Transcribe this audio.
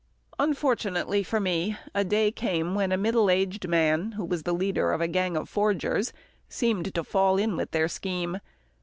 Unfortunately for me, a day came when a middle aged man who was the leader of a gang of forgers seemed to fall in with their scheme.